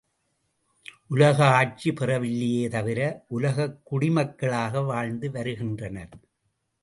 உலக ஆட்சி பெறவில்லையே தவிர, உலகக் குடிமக்களாக வாழ்ந்து வருகின்றனர்.